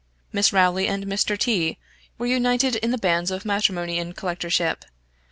Miss Rowley and Mr. T were united in the bands of matrimony and collectorship.